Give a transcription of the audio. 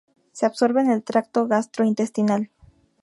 Se absorbe en el tracto gastrointestinal.